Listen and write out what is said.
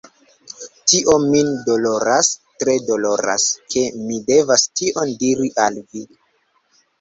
Tio min doloras, tre doloras, ke mi devas tion diri al vi.